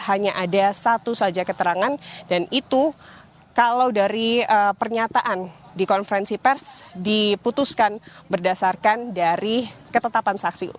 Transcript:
hanya ada satu saja keterangan dan itu kalau dari pernyataan di konferensi pers diputuskan berdasarkan dari ketetapan saksi